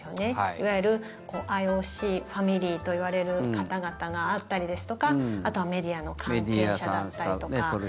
いわゆる、ＩＯＣファミリーといわれる方々があったりとかメディアの関係者だったりとか。